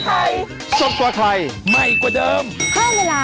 สวัสดีครับ